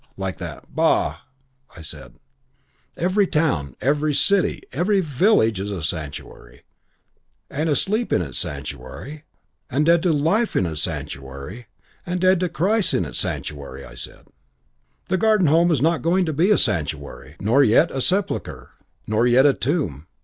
like that 'Bah!' I said, 'Every town, every city, every village is a sanctuary; and asleep in its sanctuary; and dead to life in its sanctuary; and dead to Christ in its sanctuary.' I said, 'The Garden Home is not going to be a sanctuary, nor yet a sepulchre, nor yet a tomb.